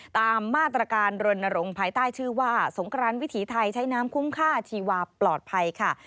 ตามมาตรการรณรงค์ภายใต้ชื่อว่าสงครานวิถีไทยใช้น้ำคุ้มค่าชีวาปลอดภัยค่ะ